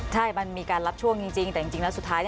ใช่มันมีการรับช่วงจริงแต่จริงแล้วสุดท้าย